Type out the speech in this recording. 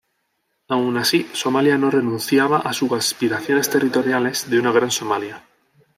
Aun así, Somalia no renunciaba a su aspiraciones territoriales de una Gran Somalia.